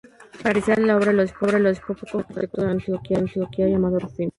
Para realizar la obra el obispo contrató a un arquitecto de Antioquía llamado Rufino.